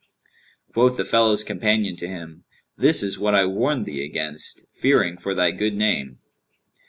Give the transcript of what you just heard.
Quoth the fellow's companion to him, 'This is what I warned thee against, fearing for thy good name.'